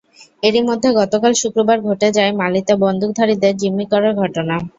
এরই মধ্যে গতকাল শুক্রবার ঘটে যায় মালিতে বন্দুকধারীদের জিম্মি করার ঘটনা।